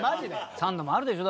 サンドもあるでしょ？